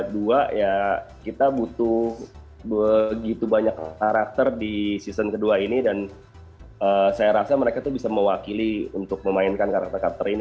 dua ya kita butuh begitu banyak karakter di season kedua ini dan saya rasa mereka tuh bisa mewakili untuk memainkan karakter karakter ini